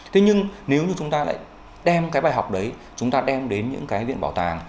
thế nhưng nếu như chúng ta lại đem cái bài học đấy chúng ta đem đến những cái viện bảo tàng